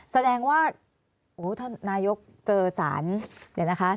แสดงว่าท่านนายกเจอสารเดี๋ยวนะคะ